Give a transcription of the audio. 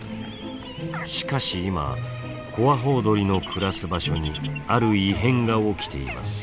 しかし今コアホウドリの暮らす場所にある異変が起きています。